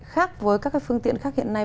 khác với các phương tiện khác hiện nay